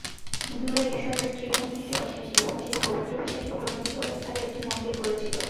হিন্দুরা ঈশ্বরের ত্রিমূর্তিতে বিশ্বাসী এবং সেই পবিত্র বিশ্বাসে প্রণোদিত হয়ে তারা একটি মন্দির গড়েছিল।